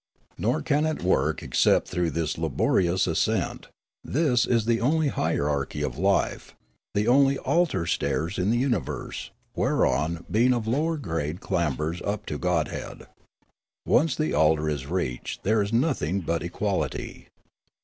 Nor can it work except through this laborious ascent ; this is the only hierarchy of life, the only altar stairs in the universe, whereon being of lower grade clambers up to godhead. Once the altar is reached there is nothing but equality.